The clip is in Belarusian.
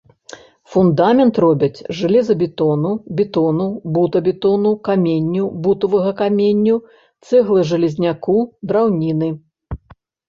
Фундамент робяць з жалезабетону, бетону, бута-бетону, каменю, бутавага каменю, цэглы-жалезняку, драўніны.